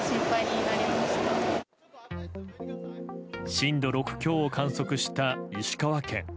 震度６強を観測した石川県。